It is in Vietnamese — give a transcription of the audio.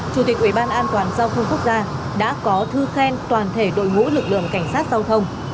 chủ tịch ubnd giao thông quốc gia đã có thư khen toàn thể đội ngũ lực lượng cảnh sát giao thông